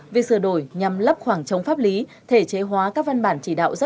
việc sửa đổi nhằm lấp khoảng chống pháp lý thể chế hóa các văn bản chỉ đạo rất quan trọng